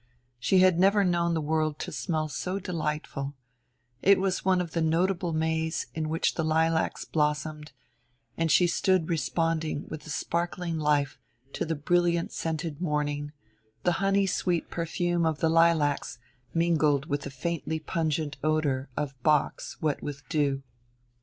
She had never known the world to smell so delightful it was one of the notable Mays in which the lilacs blossomed and she stood responding with a sparkling life to the brilliant scented morning, the honey sweet perfume of the lilacs mingled with the faintly pungent odor of box wet with dew.